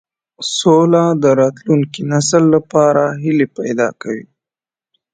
سوله د راتلونکي نسل لپاره هیلې پیدا کوي.